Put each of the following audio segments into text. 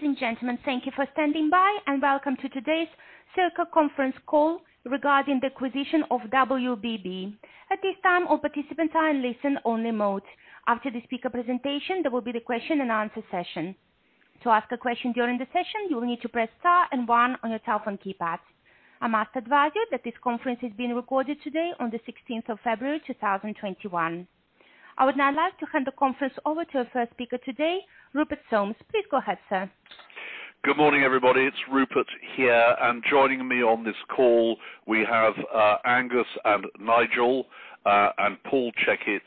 Ladies and gentlemen, thank you for standing by, and Welcome to today's Serco conference call regarding the acquisition of WBB. At this time, all participants are in listen only mode. After the speaker presentation, there will be the question and answer session. To ask a question during the session, you will need to press star and one on your telephone keypad. I must advise you that this conference is being recorded today on the 16th of February, 2021. I would now like to hand the conference over to our first speaker today, Rupert Soames. Please go ahead, sir. Good morning, everybody. It's Rupert here, and joining me on this call, we have Angus and Nigel, and Paul Checketts,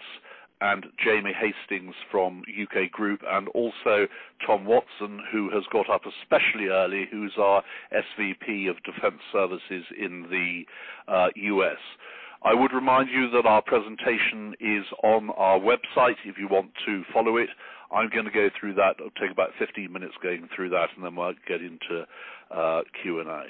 and Jamie Hastings from UK Group, and also Tom Watson, who has got up especially early, who's our SVP of Defense Services in the U.S. I would remind you that our presentation is on our website if you want to follow it. I'm going to go through that. It'll take about 15 minutes going through that, and then we'll get into Q&A.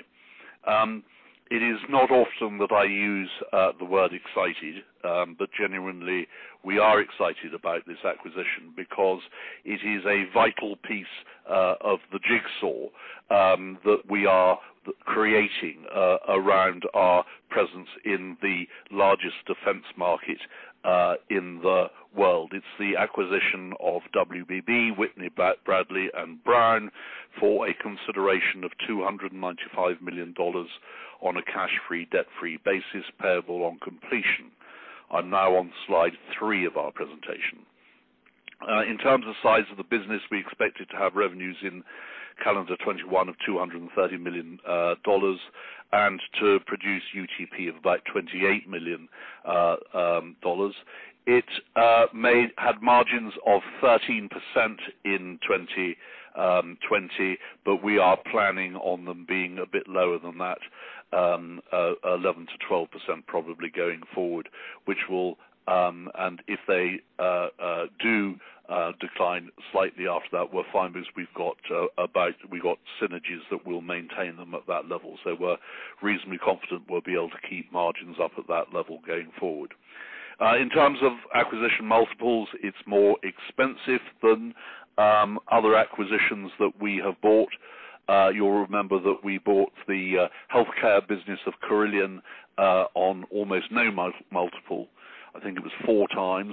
It is not often that I use the word excited, but genuinely, we are excited about this acquisition because it is a vital piece of the jigsaw that we are creating around our presence in the largest defense market in the world. It's the acquisition of WBB, Whitney, Bradley & Brown, for a consideration of $295 million on a cash-free, debt-free basis, payable on completion. I'm now on slide three of our presentation. In terms of size of the business, we expected to have revenues in calendar 2021 of GBP 230 million, and to produce UTP of about GBP 28 million. It had margins of 13% in 2020, but we are planning on them being a bit lower than that, 11%-12% probably going forward. If they do decline slightly after that, we're fine because we've got synergies that will maintain them at that level. We're reasonably confident we'll be able to keep margins up at that level going forward. In terms of acquisition multiples, it's more expensive than other acquisitions that we have bought. You'll remember that we bought the healthcare business of Carillion on almost no multiple. I think it was 4x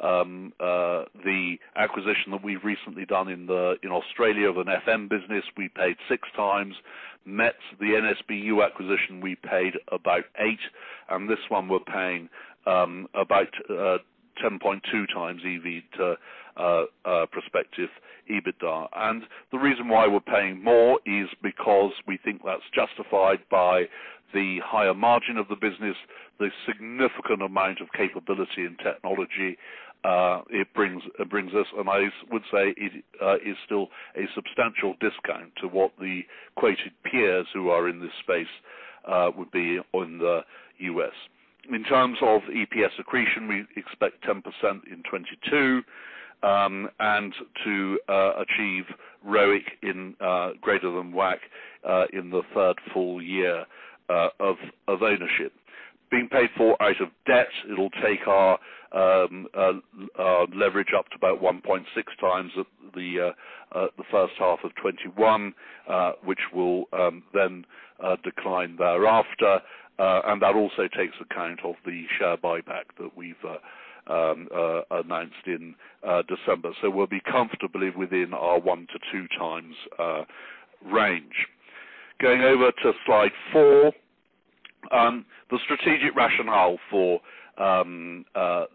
the acquisition that we've recently done in Australia of an FM business, we paid 6x. MT&S, the NSBU acquisition, we paid about 8, and this one we're paying about 10.2x EBIT to prospective EBITDA. The reason why we're paying more is because we think that's justified by the higher margin of the business, the significant amount of capability and technology it brings us, and I would say it is still a substantial discount to what the quoted peers who are in this space would be on the U.S. In terms of EPS accretion, we expect 10% in 2022, and to achieve ROIC in greater than WACC, in the third full year of ownership. Being paid for out of debt, it'll take our leverage up to about 1.6x the first half of 2021, which will then decline thereafter. That also takes account of the share buyback that we've announced in December. We'll be comfortably within our one to two times range. Going over to slide four, the strategic rationale for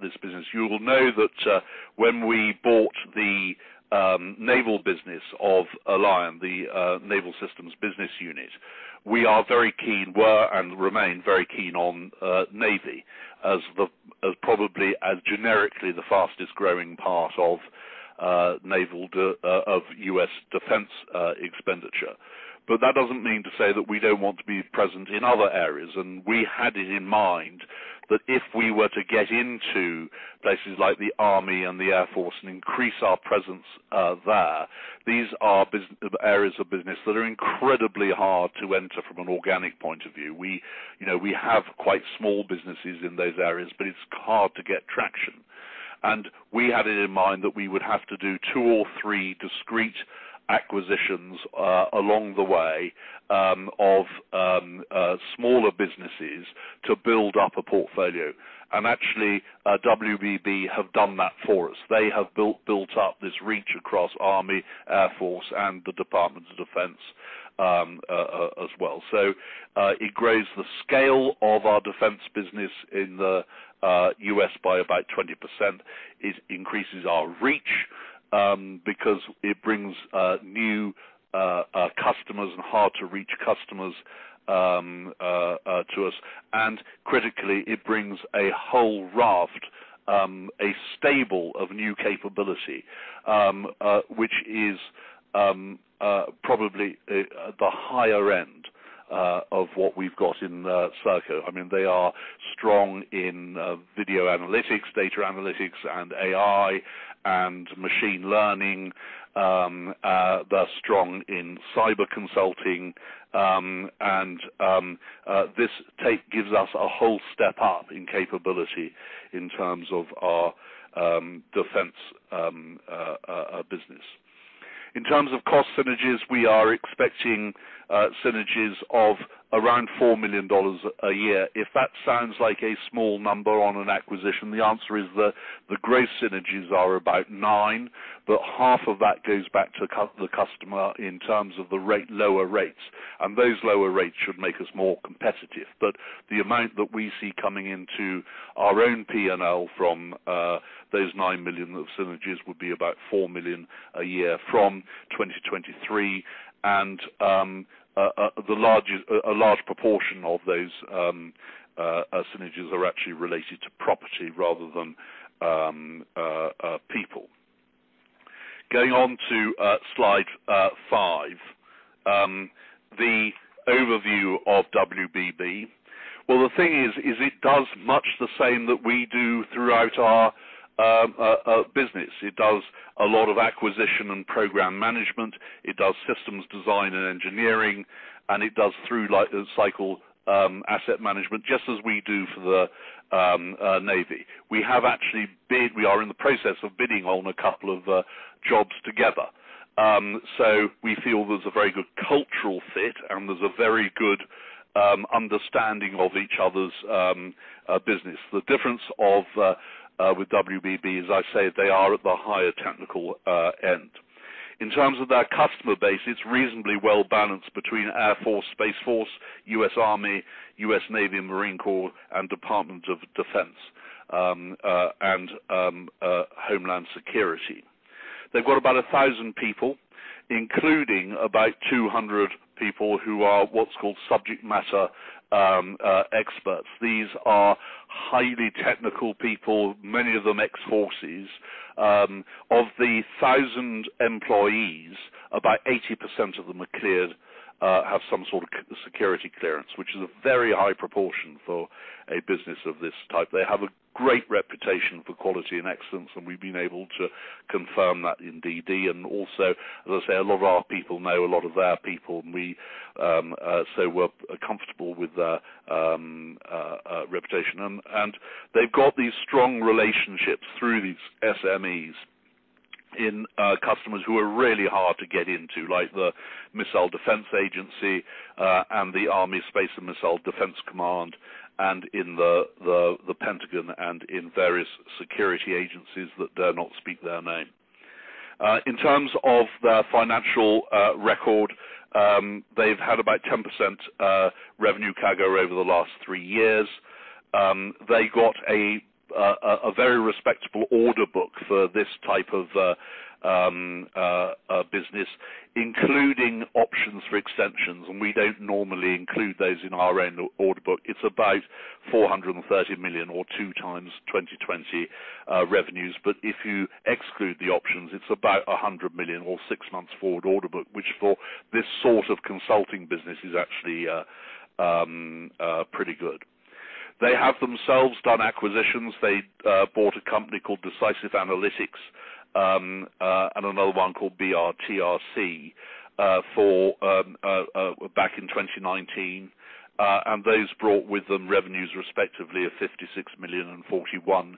this business. You will know that when we bought the naval business of Alion, the naval systems business unit, we are very keen, were, and remain very keen on Navy as probably, as generically the fastest growing part of U.S. defense expenditure. That doesn't mean to say that we don't want to be present in other areas, and we had it in mind that if we were to get into places like the Army and the Air Force and increase our presence there, these are areas of business that are incredibly hard to enter from an organic point of view. We have quite small businesses in those areas, it's hard to get traction. We had it in mind that we would have to do two or three discrete acquisitions along the way of smaller businesses to build up a portfolio. Actually, WBB have done that for us. They have built up this reach across Army, Air Force, and the Department of Defense as well. It grows the scale of our defense business in the U.S. by about 20%. It increases our reach, because it brings new customers and hard-to-reach customers to us. Critically, it brings a whole raft, a stable of new capability, which is probably at the higher end of what we've got in Serco. They are strong in video analytics, data analytics and AI and machine learning. They're strong in cyber consulting. This take gives us a whole step up in capability in terms of our defense business. In terms of cost synergies, we are expecting synergies of around GBP 4 million a year. If that sounds like a small number on an acquisition, the answer is the gross synergies are about 9 million, half of that goes back to the customer in terms of the lower rates. Those lower rates should make us more competitive. The amount that we see coming into our own P&L from those 9 million of synergies would be about 4 million a year from 2023. A large proportion of those synergies are actually related to property rather than people. Going on to slide five. The overview of WBB. Well, the thing is, it does much the same that we do throughout our business. It does a lot of acquisition and program management. It does systems design and engineering, and it does through-cycle asset management, just as we do for the Navy. We are in the process of bidding on two jobs together. We feel there's a very good cultural fit and there's a very good understanding of each other's business. The difference with WBB, as I say, they are at the higher technical end. In terms of their customer base, it's reasonably well-balanced between Air Force, Space Force, U.S. Army, U.S. Navy, and Marine Corps, and Department of Defense, and Homeland Security. They've got about 1,000 people, including about 200 people who are what's called subject matter experts. These are highly technical people, many of them ex-forces. Of the 1,000 employees, about 80% of them are cleared, have some sort of security clearance, which is a very high proportion for a business of this type. They have a great reputation for quality and excellence. We've been able to confirm that indeed. Also, as I say, a lot of our people know a lot of their people, so we're comfortable with their reputation. They've got these strong relationships through these SMEs in customers who are really hard to get into, like the Missile Defense Agency, and the Army Space and Missile Defense Command, and in the Pentagon, and in various security agencies that dare not speak their name. In terms of their financial record, they've had about 10% revenue CAGR over the last three years. They got a very respectable order book for this type of business, including options for extensions, and we don't normally include those in our own order book. It's about 430 million or 2x 2020 revenues. If you exclude the options, it's about 100 million or six months forward order book, which for this sort of consulting business is actually pretty good. They have themselves done acquisitions. They bought a company called Decisive Analytics, and another one called BRTRC back in 2019. Those brought with them revenues respectively of 56 million and 41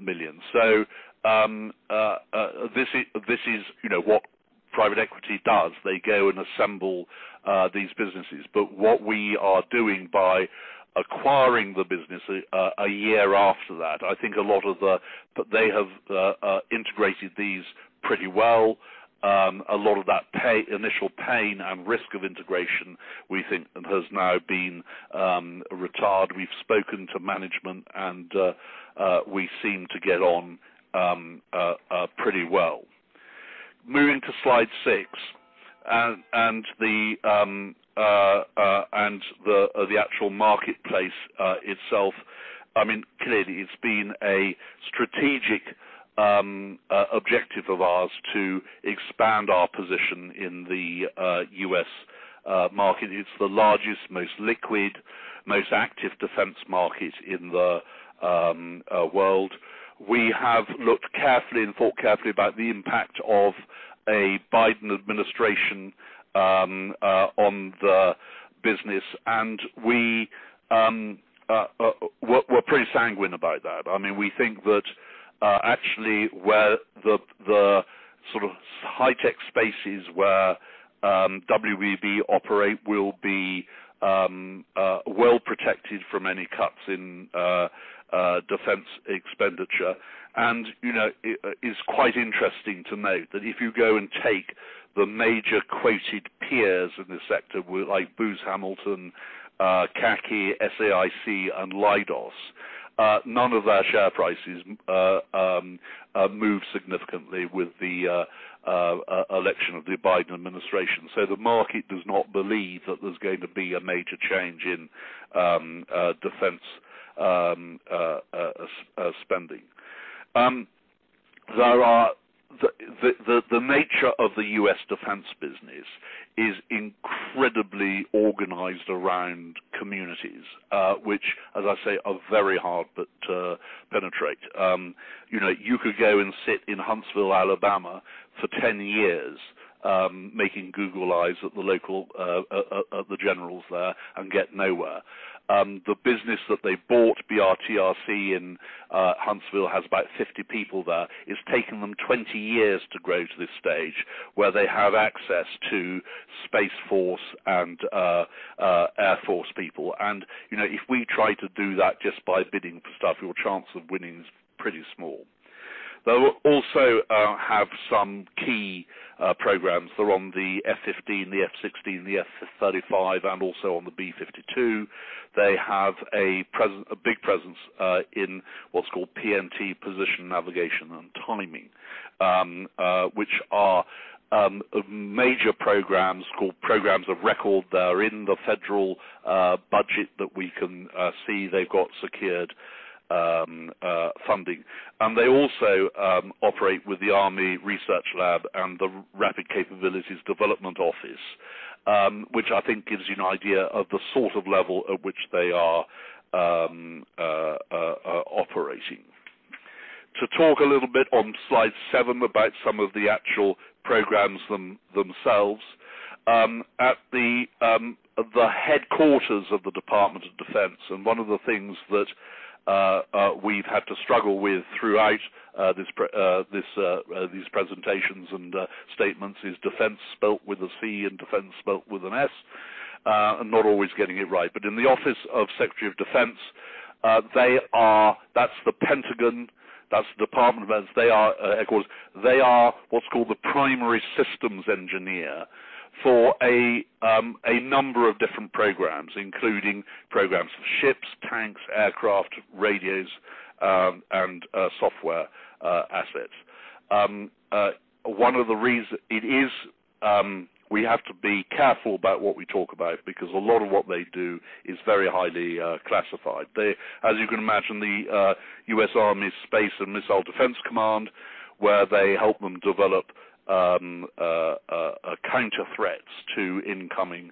million. This is what private equity does. They go and assemble these businesses. What we are doing by acquiring the business a year after that, I think They have integrated these pretty well. A lot of that initial pain and risk of integration, we think has now been retired. We've spoken to management, and we seem to get on pretty well. Moving to slide six, the actual marketplace itself. Clearly, it's been a strategic objective of ours to expand our position in the U.S. market. It's the largest, most liquid, most active defense market in the world. We have looked carefully and thought carefully about the impact of a Biden administration on the business, and we're pretty sanguine about that. We think that actually where the sort of high-tech spaces where WBB operate will be well protected from any cuts in defense expenditure. It's quite interesting to note that if you go and take the major quoted peers in the sector like Booz Hamilton, CACI, SAIC, and Leidos, none of their share prices moved significantly with the election of the Biden administration. The market does not believe that there's going to be a major change in defense spending. The nature of the U.S. defense business is incredibly organized around communities, which, as I say, are very hard to penetrate. You could go and sit in Huntsville, Alabama, for 10 years, making Google eyes at the generals there and get nowhere. The business that they bought, BRTRC in Huntsville, has about 50 people there. It's taken them 20 years to grow to this stage where they have access to Space Force and Air Force people. If we try to do that just by bidding for stuff, your chance of winning is pretty small. They will also have some key programs. They're on the F-15, the F-16, the F-35, and also on the B-52. They have a big presence in what's called PNT, position, navigation, and timing, which are major programs called programs of record. They're in the federal budget that we can see they've got secured funding. They also operate with the Army Research Lab and the Rapid Capabilities Development Office, which I think gives you an idea of the sort of level at which they are operating. To talk a little bit on slide seven about some of the actual programs themselves. At the headquarters of the Department of Defense, one of the things that we've had to struggle with throughout these presentations and statements is defence spelled with a C and defense spelled with an S, and not always getting it right. In the Office of Secretary of Defense, that's the Pentagon, that's the Department of Defense headquarters. They are what's called the primary systems engineer for a number of different programs, including programs for ships, tanks, aircraft, radios, and software assets. We have to be careful about what we talk about, because a lot of what they do is very highly classified. As you can imagine, the U.S. Army Space and Missile Defense Command, where they help them develop counter-threats to incoming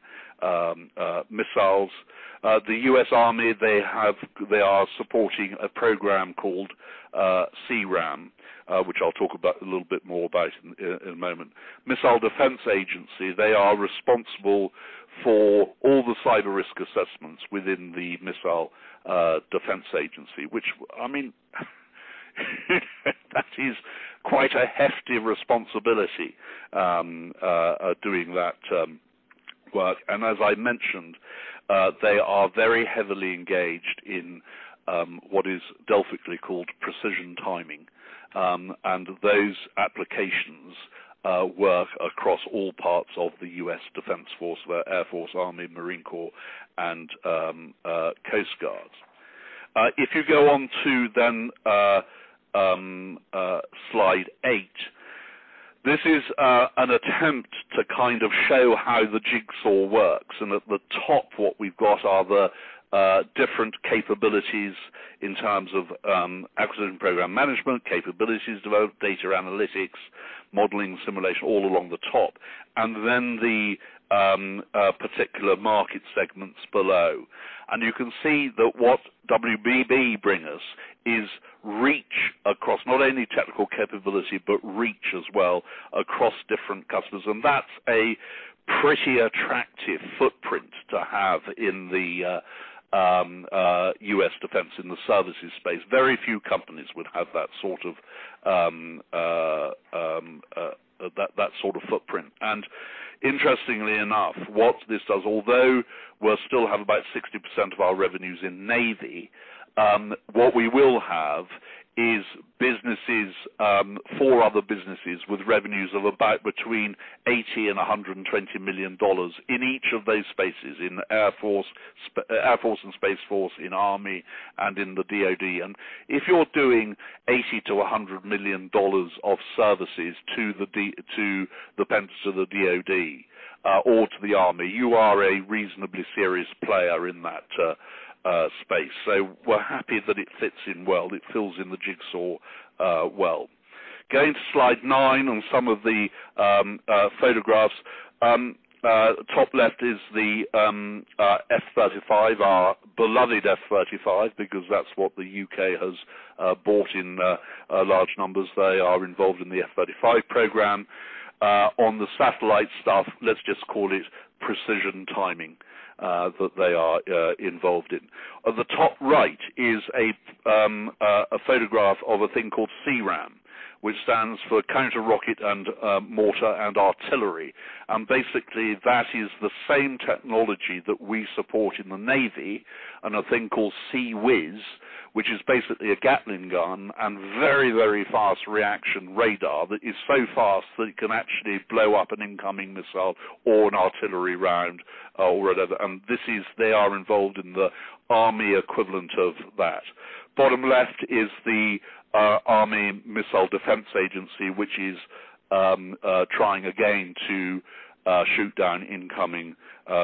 missiles. The U.S. Army, they are supporting a program called C-RAM, which I'll talk about a little bit more in a moment. Missile Defense Agency, they are responsible for all the cyber risk assessments within the Missile Defense Agency, which I mean that is quite a hefty responsibility doing that work. As I mentioned, they are very heavily engaged in what is Delphically called precision timing. Those applications work across all parts of the U.S. Defense Force, Air Force, Army, Marine Corps, and Coast Guard. If you go on to then slide eight, this is an attempt to show how the jigsaw works. At the top, what we've got are the different capabilities in terms of acquisition program management, capabilities developed, data analytics, modeling, simulation, all along the top. The particular market segments below. You can see that what WBB bring us is reach across not only technical capability, but reach as well across different customers. That's a pretty attractive footprint to have in the U.S. defense, in the services space. Very few companies would have that sort of footprint. Interestingly enough, what this does, although we still have about 60% of our revenues in Navy, what we will have is four other businesses with revenues of about between $80 million and $120 million in each of those spaces, in Air Force and Space Force, in Army, and in the DoD. If you're doing $80 million to $100 million of services to the defense of the DoD or to the Army, you are a reasonably serious player in that space. We're happy that it fits in well. It fills in the jigsaw well. Going to slide nine on some of the photographs. Top left is the F-35, our beloved F-35, because that's what the U.K. has bought in large numbers. They are involved in the F-35 program. On the satellite stuff, let's just call it precision timing that they are involved in. At the top right is a photograph of a thing called C-RAM, which stands for Counter Rocket And Mortar And Artillery. Basically, that is the same technology that we support in the Navy on a thing called CIWS, which is basically a Gatling gun and very, very fast reaction radar that is so fast that it can actually blow up an incoming missile or an artillery round or whatever. They are involved in the Army equivalent of that. Bottom left is the Army Missile Defense Agency, which is trying again to shoot down incoming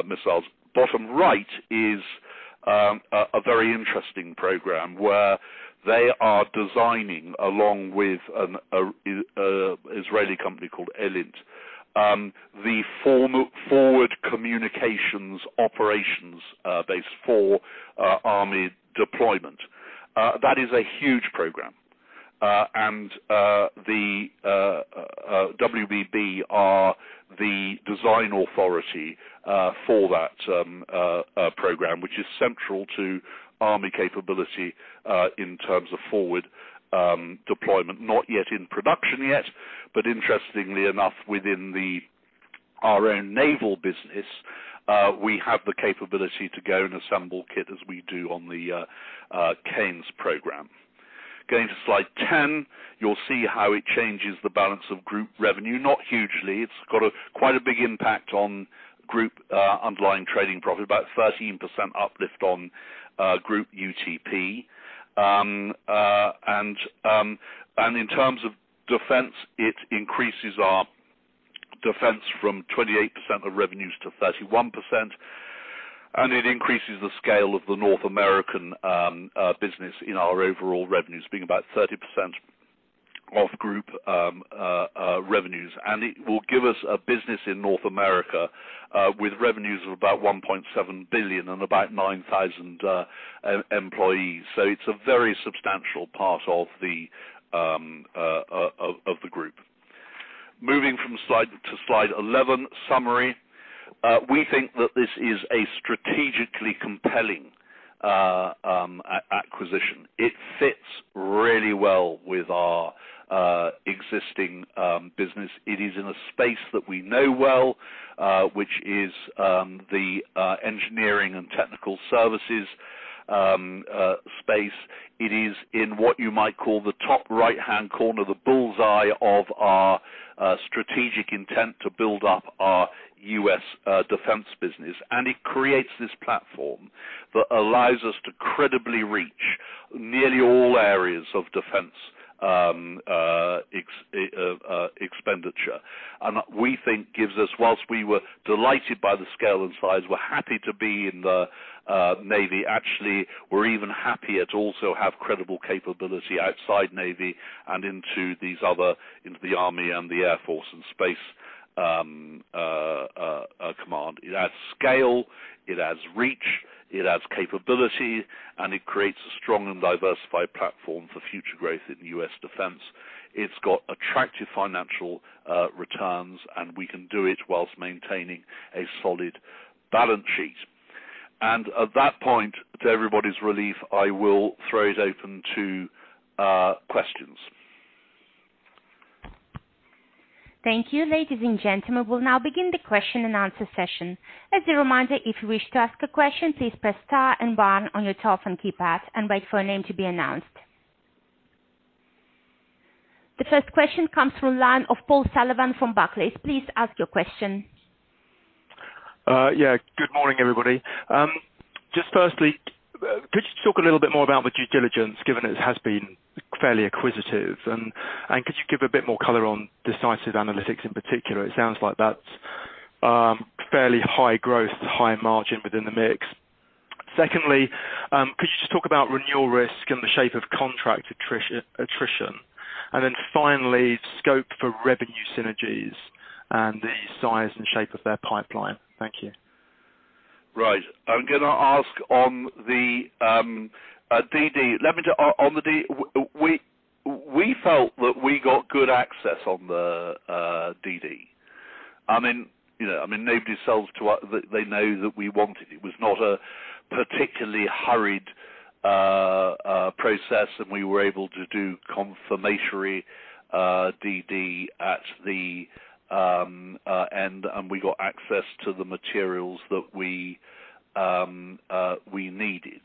missiles. Bottom right is a very interesting program where they are designing, along with an Israeli company called Elbit, the forward communications operations base for Army deployment. That is a huge program. WBB are the design authority for that program, which is central to Army capability in terms of forward deployment, not yet in production yet, but interestingly enough, within our own naval business, we have the capability to go and assemble kit as we do on the CAEMS program. Going to slide 10, you'll see how it changes the balance of group revenue, not hugely. It's got quite a big impact on group underlying trading profit, about 13% uplift on group UTP. In terms of defense, it increases our defense from 28% of revenues to 31%, and it increases the scale of the North American business in our overall revenues, being about 30% of group revenues. It will give us a business in North America with revenues of about 1.7 billion and about 9,000 employees. It's a very substantial part of the group. Moving to slide 11, summary. We think that this is a strategically compelling acquisition. It fits really well with our existing business. It is in a space that we know well, which is the engineering and technical services space. It is in what you might call the top right-hand corner, the bullseye of our strategic intent to build up our U.S. Defense business. It creates this platform that allows us to credibly reach nearly all areas of Defense expenditure, and we think gives us, whilst we were delighted by the scale and size, we're happy to be in the Navy, actually, we're even happier to also have credible capability outside Navy and into the Army and the Air Force and Space Command. It adds scale, it adds reach, it adds capability, and it creates a strong and diversified platform for future growth in U.S. Defense. It's got attractive financial returns, and we can do it while maintaining a solid balance sheet. At that point, to everybody's relief, I will throw it open to questions. Thank you. Ladies and gentlemen, we will now begin the question and answer session. As a reminder, if you wish to ask a question, please press star and one on your telephone keypad and wait for a name to be announced. The first question comes from line of Paul Sullivan from Barclays. Please ask your question. Yeah. Good morning, everybody. Just firstly, could you talk a little bit more about the due diligence, given it has been fairly acquisitive, and could you give a bit more color on Decisive Analytics in particular? It sounds like that's fairly high growth, high margin within the mix. Could you just talk about renewal risk in the shape of contract attrition? Scope for revenue synergies and the size and shape of their pipeline. Thank you. Right. I'm going to ask on the DD. We felt that we got good access on the DD. They know that we wanted it. It was not a particularly hurried process, and we were able to do confirmatory DD at the end, and we got access to the materials that we needed.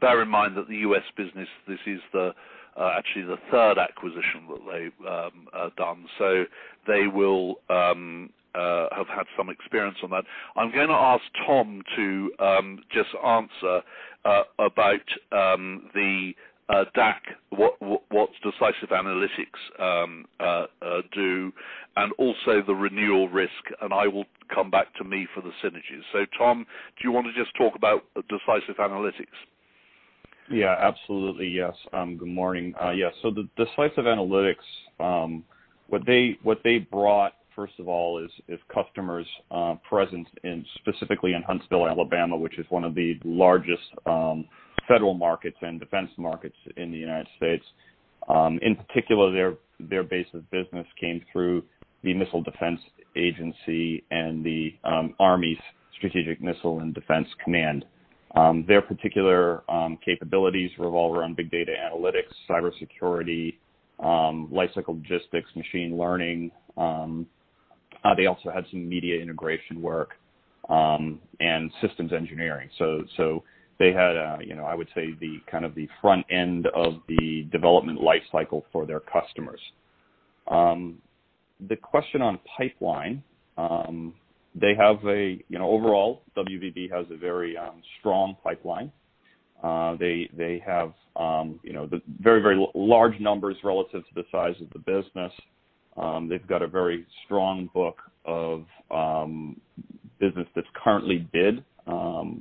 Bear in mind that the U.S. business, this is actually the third acquisition that they've done. They will have had some experience on that. I'm going to ask Tom to just answer about the DAC, what Decisive Analytics do, and also the renewal risk, and I will come back to me for the synergies. Tom, do you want to just talk about Decisive Analytics? Yeah, absolutely. Yes. Good morning. Yeah. Decisive Analytics, what they brought, first of all, is customers present specifically in Huntsville, Alabama, which is one of the largest federal markets and defense markets in the United States. In particular, their base of business came through the Missile Defense Agency and the Army's Strategic and Missile Defense Command. Their particular capabilities revolve around big data analytics, cybersecurity, lifecycle logistics, machine learning. They also had some media integration work and systems engineering. They had, I would say, the front end of the development life cycle for their customers. The question on pipeline. Overall, WBB has a very strong pipeline. They have very large numbers relative to the size of the business. They've got a very strong book of business that's currently bid,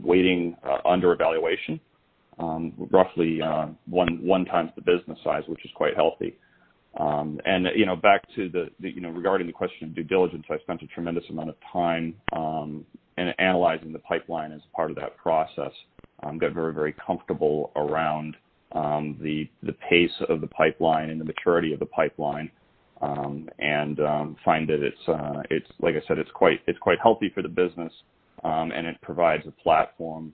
waiting under evaluation. Roughly one times the business size, which is quite healthy. Back regarding the question of due diligence, I've spent a tremendous amount of time analyzing the pipeline as part of that process. Got very, very comfortable around the pace of the pipeline and the maturity of the pipeline, and find that it's, like I said, it's quite healthy for the business. It provides a platform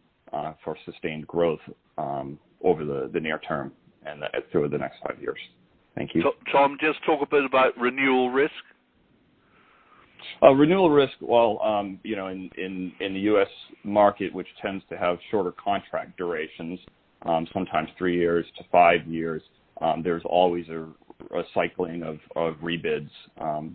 for sustained growth over the near term and through the next five years. Thank you. Tom, just talk a bit about renewal risk. Renewal risk, well, in the U.S. market, which tends to have shorter contract durations, sometimes three years to five years, there's always a cycling of rebids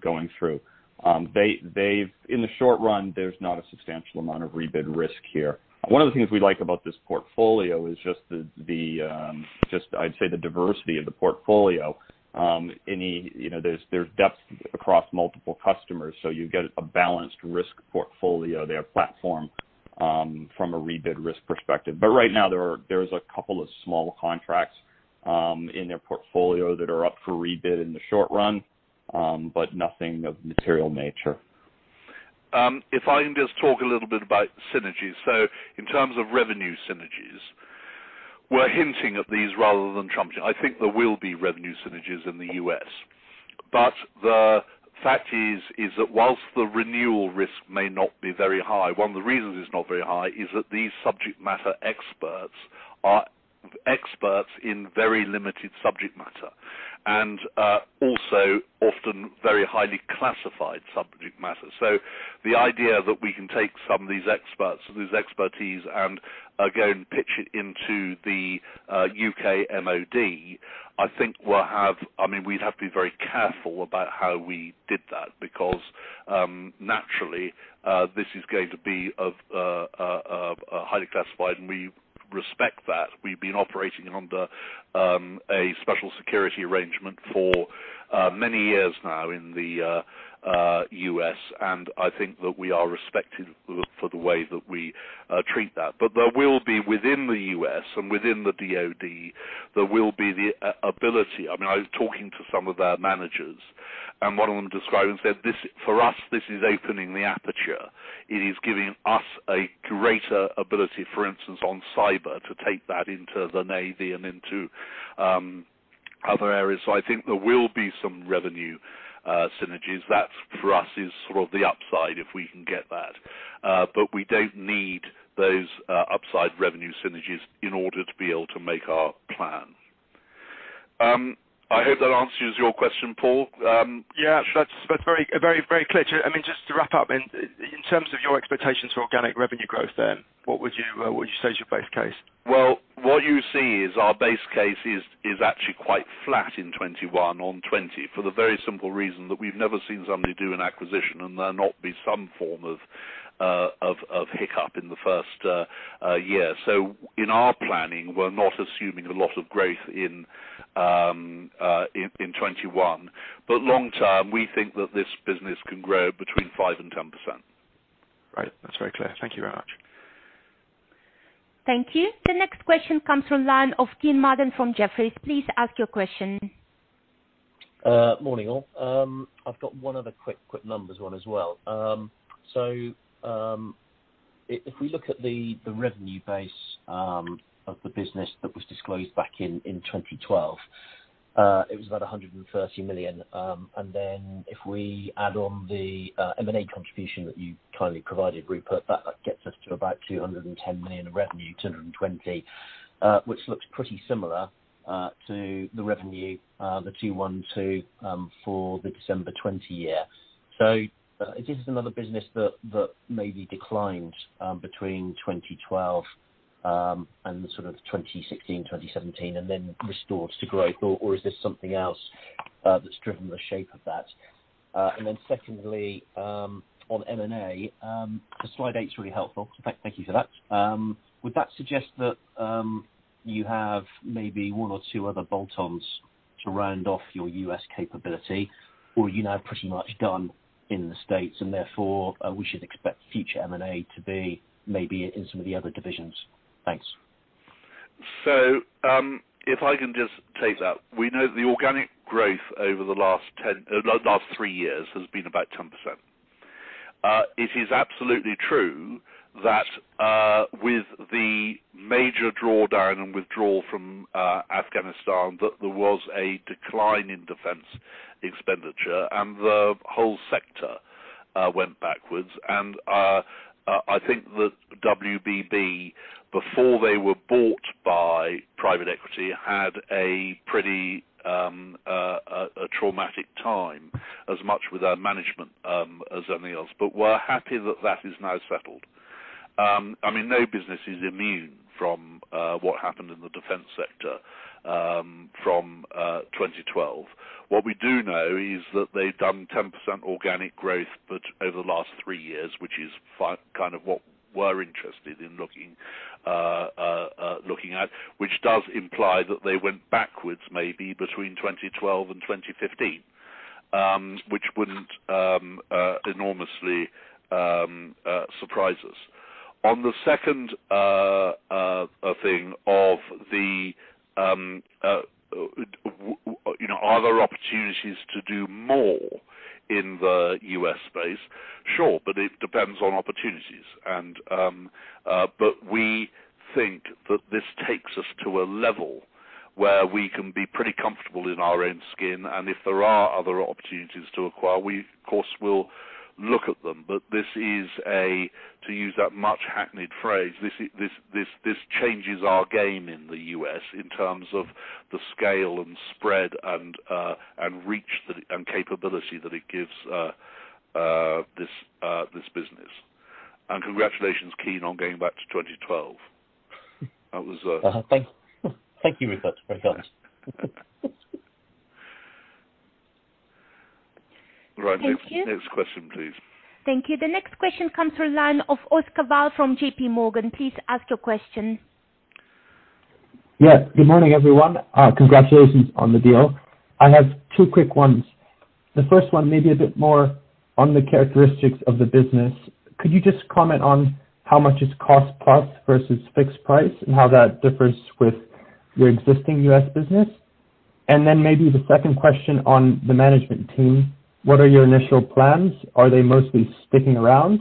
going through. In the short run, there's not a substantial amount of rebid risk here. One of the things we like about this portfolio is just, I'd say, the diversity of the portfolio. There's depth across multiple customers, you get a balanced risk portfolio there platformed from a rebid risk perspective. Right now there is a couple of small contracts in their portfolio that are up for rebid in the short run, but nothing of material nature. If I can just talk a little bit about synergies. In terms of revenue synergies, we're hinting at these rather than trumpeting. I think there will be revenue synergies in the U.S. The fact is that whilst the renewal risk may not be very high, one of the reasons it's not very high is that these subject matter experts are experts in very limited subject matter, and also often very highly classified subject matter. The idea that we can take some of these experts and this expertise and go and pitch it into the UK MOD, we'd have to be very careful about how we did that because naturally, this is going to be of highly classified, and we respect that. We've been operating under a special security arrangement for many years now in the U.S., and I think that we are respected for the way that we treat that. There will be within the U.S. and within the DoD, there will be the ability-- I was talking to some of their managers, and one of them described and said, "For us, this is opening the aperture. It is giving us a greater ability, for instance, on cyber, to take that into the Navy and into other areas." I think there will be some revenue synergies. That, for us, is sort of the upside if we can get that. We don't need those upside revenue synergies in order to be able to make our plan. I hope that answers your question, Paul. Yeah. That's very clear. Just to wrap up, in terms of your expectations for organic revenue growth then, what would you say is your base case? Well, what you see is our base case is actually quite flat in 2021 on 2020 for the very simple reason that we've never seen somebody do an acquisition and there not be some form of hiccup in the first year. In our planning, we're not assuming a lot of growth in 2021. Long term, we think that this business can grow between 5% and 10%. Right. That's very clear. Thank you very much. Thank you. The next question comes from line of Kean Marden from Jefferies. Please ask your question. Morning, all. I've got one other quick numbers one as well. If we look at the revenue base of the business that was disclosed back in 2012, it was about 130 million. Then if we add on the M&A contribution that you kindly provided, Rupert, that gets us to about 210 million of revenue, 220 million, which looks pretty similar to the revenue, the 212 million for the December 2020 year. Is this another business that maybe declined between 2012 and sort of 2016, 2017 and then restores to growth? Is this something else that's driven the shape of that? Then secondly, on M&A, slide eight's really helpful. Thank you for that. Would that suggest that you have maybe one or two other bolt-ons to round off your U.S. capability? You're now pretty much done in the States, and therefore, we should expect future M&A to be maybe in some of the other divisions. Thanks. If I can just take that. We know that the organic growth over the last three years has been about 10%. It is absolutely true that with the major drawdown and withdrawal from Afghanistan, there was a decline in defense expenditure and the whole sector went backwards. I think that WBB, before they were bought by private equity, had a pretty traumatic time as much with their management as anything else. We're happy that that is now settled. No business is immune from what happened in the defense sector from 2012. What we do know is that they've done 10% organic growth over the last three years, which is kind of what we're interested in looking at, which does imply that they went backwards maybe between 2012 and 2015, which wouldn't enormously surprise us. On the second thing of the other opportunities to do more in the U.S. space, sure, but it depends on opportunities. We think that this takes us to a level where we can be pretty comfortable in our own skin, and if there are other opportunities to acquire, we of course will look at them. This is a, to use that much hackneyed phrase, this changes our game in the U.S. in terms of the scale and spread and reach and capability that it gives this business. Congratulations, Kean, on going back to 2012. Thank you, Rupert. Very kind. Right. Thank you. Next question, please. Thank you. The next question comes through line of Oscar Val from JPMorgan. Please ask your question. Good morning, everyone. Congratulations on the deal. I have two quick ones. The first one may be a bit more on the characteristics of the business. Could you just comment on how much is cost plus versus fixed price, and how that differs with your existing U.S. business? Then maybe the second question on the management team, what are your initial plans? Are they mostly sticking around?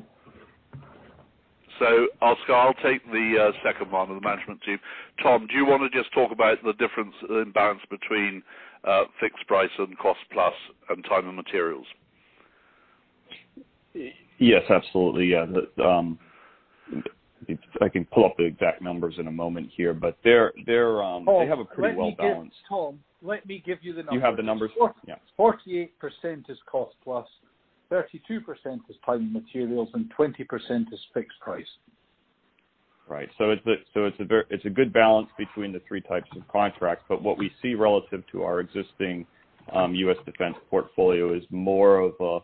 Oscar, I'll take the second one of the management team. Tom, do you want to just talk about the difference in balance between fixed price and cost plus and time and materials? Yes, absolutely. Yeah. I can pull up the exact numbers in a moment here, but they have a pretty well. Tom, let me give you the numbers. You have the numbers? Yeah. 48% is cost plus, 32% is time and materials, and 20% is fixed price. It's a good balance between the three types of contracts. What we see relative to our existing U.S. defense portfolio is more of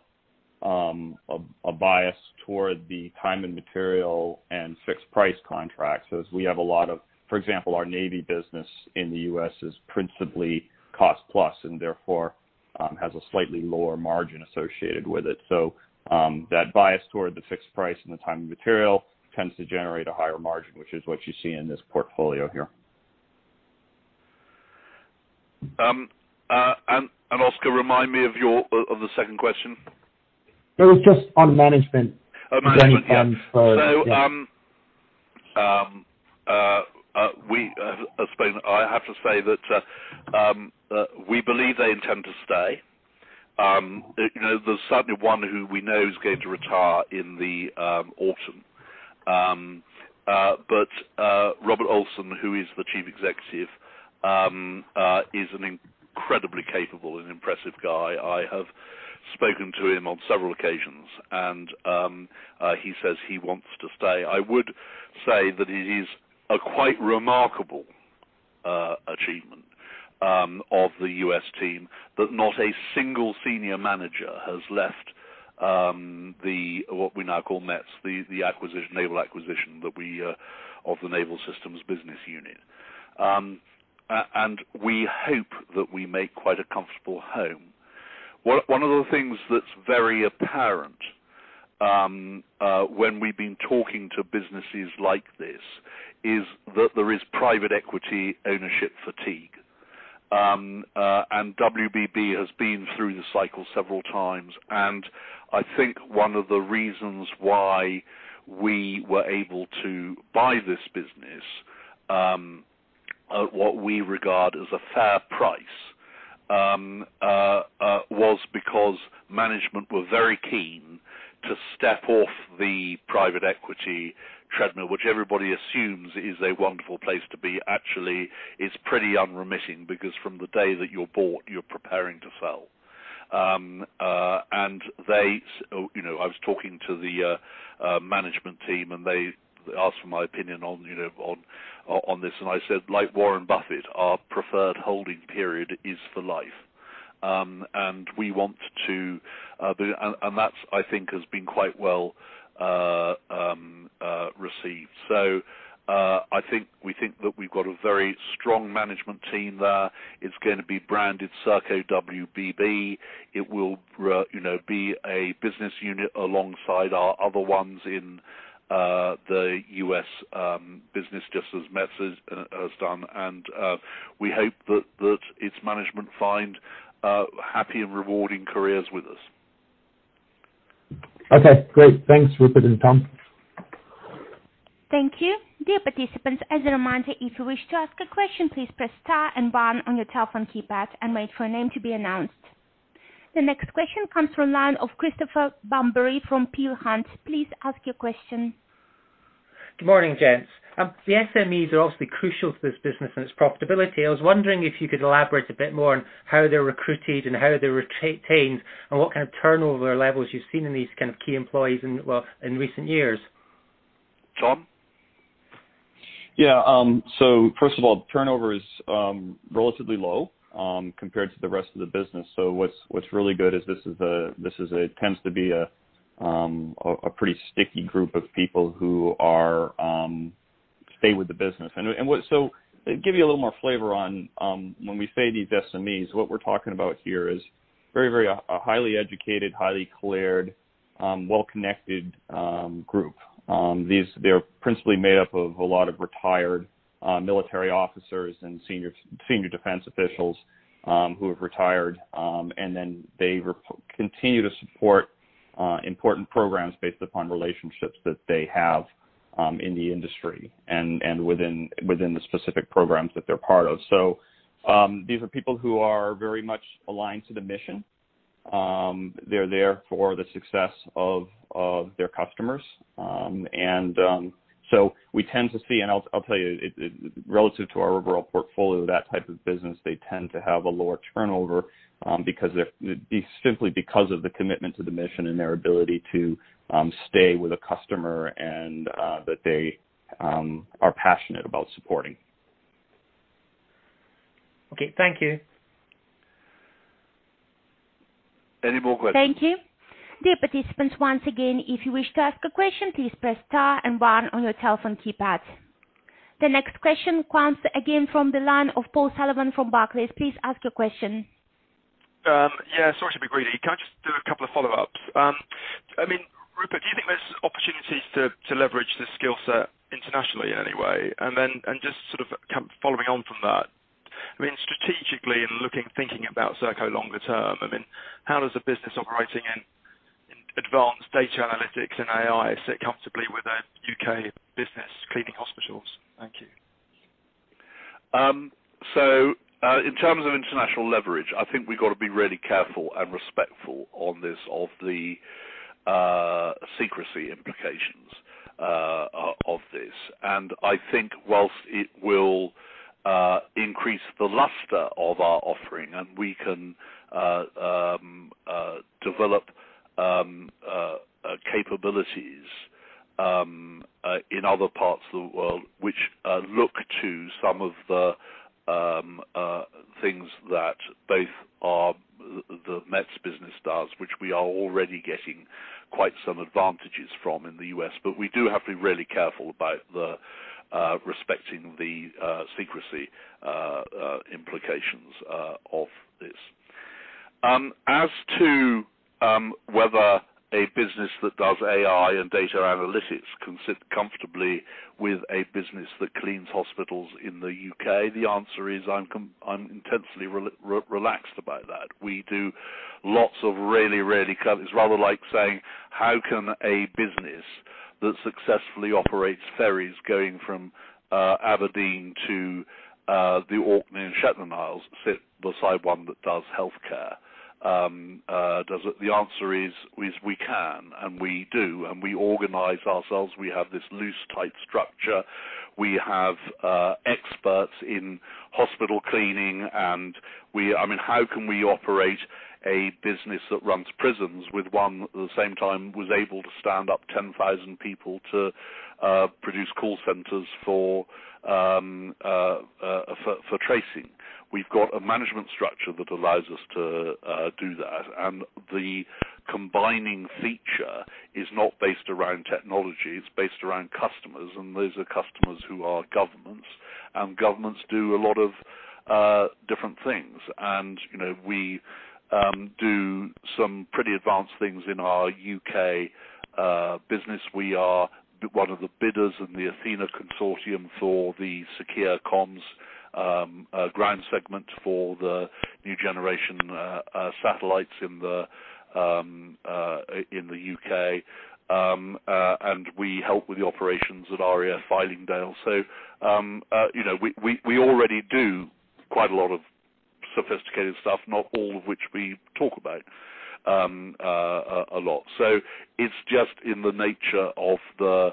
a bias toward the time and material and fixed price contracts, as we have a lot of, for example, our Navy business in the U.S. is principally cost plus, and therefore has a slightly lower margin associated with it. That bias toward the fixed price and the time and material tends to generate a higher margin, which is what you see in this portfolio here. Oscar, remind me of the second question. It was just on management. Oh, management. Yeah. Yeah. I have to say that we believe they intend to stay. There's certainly one who we know is going to retire in the autumn. Robert Olsen, who is the chief executive, is an incredibly capable and impressive guy. I have spoken to him on several occasions, and he says he wants to stay. I would say that it is a quite remarkable achievement of the U.S. team that not a single senior manager has left, what we now call MT&S, the naval acquisition of the naval systems business unit. We hope that we make quite a comfortable home. One of the things that's very apparent when we've been talking to businesses like this is that there is private equity ownership fatigue. WBB has been through the cycle several times, and I think one of the reasons why we were able to buy this business, at what we regard as a fair price, was because management were very keen to step off the private equity treadmill, which everybody assumes is a wonderful place to be. Actually, it's pretty unremitting because from the day that you're bought, you're preparing to sell. I was talking to the management team, and they asked for my opinion on this, and I said, like Warren Buffett, our preferred holding period is for life. That I think has been quite well received. We think that we've got a very strong management team there. It's going to be branded Serco WBB. It will be a business unit alongside our other ones in the U.S. business, just as MT&S has done. We hope that its management find happy and rewarding careers with us. Okay, great. Thanks, Rupert and Tom. Thank you. The next question comes from line of Christopher Bambury from Peel Hunt. Please ask your question. Good morning, gents. The SMEs are obviously crucial to this business and its profitability. I was wondering if you could elaborate a bit more on how they're recruited and how they're retained, and what kind of turnover levels you've seen in these key employees in recent years. Tom? Yeah. First of all, turnover is relatively low compared to the rest of the business. What's really good is it tends to be a pretty sticky group of people who stay with the business. To give you a little more flavor on when we say these SMEs, what we're talking about here is a highly educated, highly cleared, well-connected group. They're principally made up of a lot of retired military officers and senior defense officials who have retired. They continue to support important programs based upon relationships that they have in the industry and within the specific programs that they're part of. These are people who are very much aligned to the mission. They're there for the success of their customers. We tend to see, and I'll tell you, relative to our overall portfolio, that type of business, they tend to have a lower turnover simply because of the commitment to the mission and their ability to stay with a customer and that they are passionate about supporting. Okay. Thank you. Any more questions? Thank you. Dear participants, once again, if you wish to ask a question, please press star and one on your telephone keypad. The next question comes again from the line of Paul Sullivan from Barclays. Please ask your question. Yeah, sorry to be greedy. Can I just do a couple of follow-ups? Rupert, do you think there's opportunities to leverage this skill set internationally in any way? Just sort of following on from that, strategically and looking, thinking about Serco longer term, how does a business operating in advanced data analytics and AI sit comfortably with a U.K. business cleaning hospitals? Thank you. In terms of international leverage, I think we've got to be really careful and respectful of the secrecy implications of this. I think whilst it will increase the luster of our offering and we can develop capabilities in other parts of the world, which look to some of the things that both the MT&S business does, which we are already getting quite some advantages from in the U.S. We do have to be really careful about respecting the secrecy implications of this. As to whether a business that does AI and data analytics can sit comfortably with a business that cleans hospitals in the U.K., the answer is, I'm intensely relaxed about that. We do lots of really, it's rather like saying, how can a business that successfully operates ferries going from Aberdeen to the Orkney and Shetland Isles sit beside one that does healthcare? The answer is, we can and we do, we organize ourselves. We have this loose, tight structure. We have experts in hospital cleaning, how can we operate a business that runs prisons with one at the same time was able to stand up 10,000 people to produce call centers for tracing? We've got a management structure that allows us to do that, the combining feature is not based around technology, it's based around customers, and those are customers who are governments. Governments do a lot of different things. We do some pretty advanced things in our U.K. business. We are one of the bidders in the Athena consortium for the secure comms ground segment for the new generation satellites in the U.K. We help with the operations at RAF Fylingdales. We already do quite a lot of sophisticated stuff, not all of which we talk about a lot. It's just in the nature of the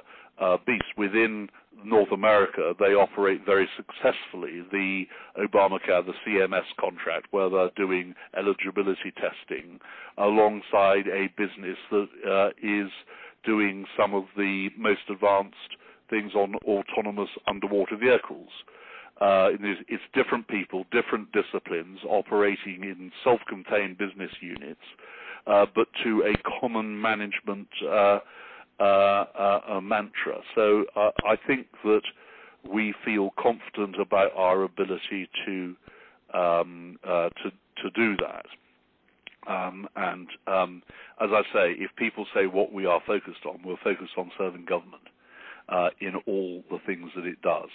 beast. Within North America, they operate very successfully the Obamacare, the CMS contract, where they're doing eligibility testing alongside a business that is doing some of the most advanced things on autonomous underwater vehicles. It's different people, different disciplines, operating in self-contained business units, but to a common management mantra. I think that we feel confident about our ability to do that. As I say, if people say what we are focused on, we're focused on serving government, in all the things that it does.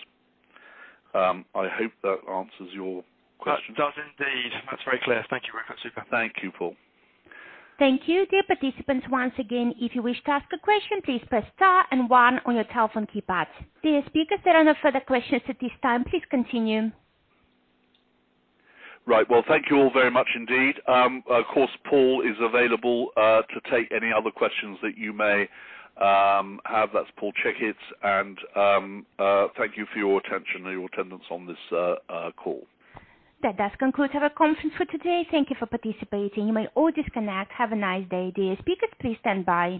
I hope that answers your question. That does indeed. That's very clear. Thank you very much, Rupert. Thank you, Paul. Thank you. Dear participants, once again, if you wish to ask a question, please press star and one on your telephone keypad. Dear speakers, there are no further questions at this time. Please continue. Right. Well, thank you all very much indeed. Of course, Paul is available to take any other questions that you may have. That's Paul Checketts. Thank you for your attention and your attendance on this call. That does conclude our conference for today. Thank you for participating. You may all disconnect. Have a nice day. Dear speakers, please stand by.